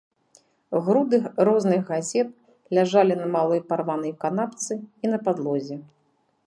Груды розных газет ляжалі на малой парванай канапцы і на падлозе.